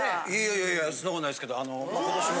いやいやそんなことないですけどあの今年も。